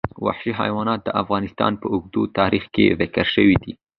وحشي حیوانات د افغانستان په اوږده تاریخ کې ذکر شوی دی.